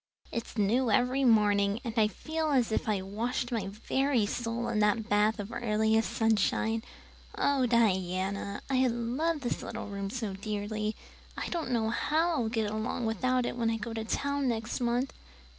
It's new every morning, and I feel as if I washed my very soul in that bath of earliest sunshine. Oh, Diana, I love this little room so dearly. I don't know how I'll get along without it when I go to town next month."